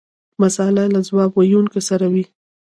مساله له ځواب ویونکي سره وي.